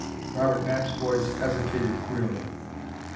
Robert Knapp's voice hesitated queerly.